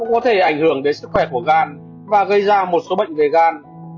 nó cũng có thể ảnh hưởng đến sức khỏe của gan và gây ra một số bệnh về gan